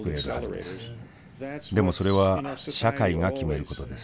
でもそれは社会が決めることです。